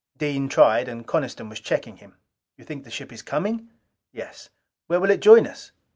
Dean tried and Coniston was checking him." "You think the ship is coming?" "Yes." "Where will it join us?"